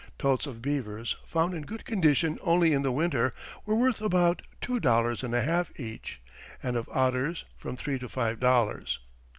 Pelts of beavers, found in good condition only in the winter, were worth about two dollars and a half each, and of otters from three to five dollars.